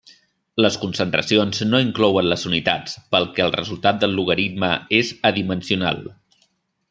Les concentracions no inclouen les unitats pel que el resultat del logaritme és adimensional.